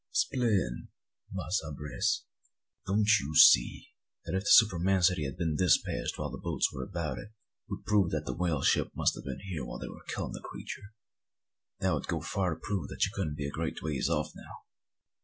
"'Splain, Massa Brace!" "Don't ye see, nigger, that if the spermacety had been dispatched while the boats were about it, it would prove that the whale ship must a' been here while they were a killin' the creature; an' that would go far to prove that she couldn't be a great ways off now."